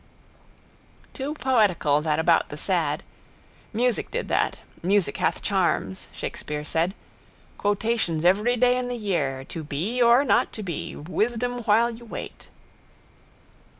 Too poetical that about the sad. Music did that. Music hath charms. Shakespeare said. Quotations every day in the year. To be or not to be. Wisdom while you wait.